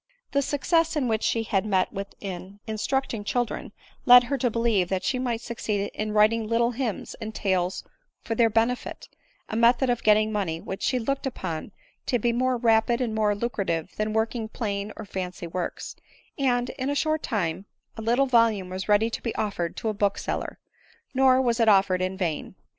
The success which she had met with in instructing children, led her to* believe that she might Succeed in writing little hymns and tales for their benefit ; a method of getting money which she looked upon to be more ra pid and more lucrative than working plain or fancy works ; and*, in a short time a little volume was ready to be offer ed to a bookseller ; nor was k offered in vain.